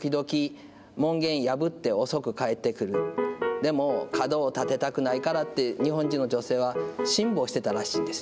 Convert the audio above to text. でも、角を立てたくないからって、日本人の女性は、辛抱してたらしいんです。